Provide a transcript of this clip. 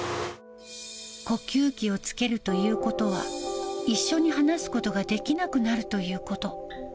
呼吸器をつけるということは、一緒に話すことができなくなるということ。